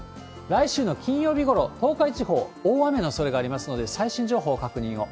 来週の金曜日ごろ、東海地方、大雨のおそれがありますので、最新情報、確認を。